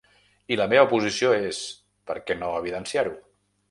I la meva posició és: per què no evidenciar-ho?